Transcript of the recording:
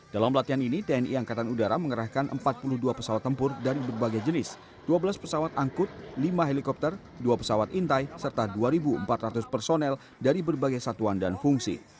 dalam latihan ini tni angkatan udara mengerahkan empat puluh dua pesawat tempur dari berbagai jenis dua belas pesawat angkut lima helikopter dua pesawat intai serta dua empat ratus personel dari berbagai satuan dan fungsi